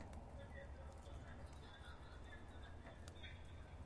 Sám jsem zodpovědný za svou smůlu.